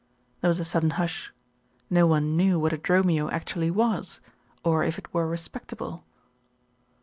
There was a sudden hush. No one knew what a dromio actually was, or if it were respectable.